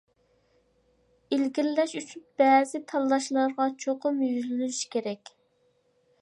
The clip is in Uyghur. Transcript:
ئىلگىرىلەش ئۈچۈن بەزى تاللاشلارغا چوقۇم يۈزلىنىشى كېرەك.